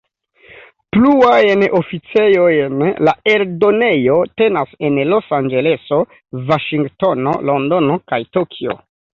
Pluajn oficejojn la eldonejo tenas en Los-Anĝeleso, Vaŝingtono, Londono kaj Tokio.